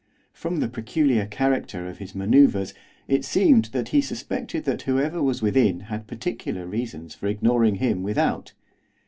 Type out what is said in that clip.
From the peculiar character of his manoeuvres it seemed that he suspected that whoever was within had particular reasons for ignoring him without.